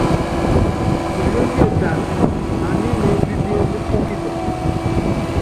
Ilémbie taata, ani imeépípíene ɔ́kitɔŋɔ.